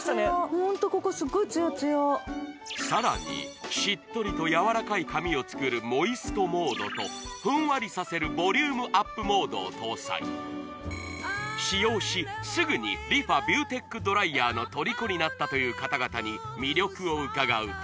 ホントここすごいツヤツヤさらにしっとりとやわらかい髪を作るモイストモードとふんわりさせるボリュームアップモードを搭載使用しすぐにＲｅＦａビューテックドライヤーのとりこになったという方々に魅力を伺うと